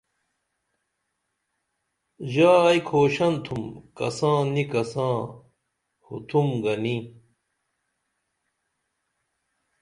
ژا ائی کُھوشن تُھم کساں نی کساں ہو تُھم گنی